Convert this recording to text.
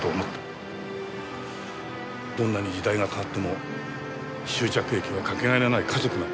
どんなに時代が変わっても終着駅はかけがえのない家族だ。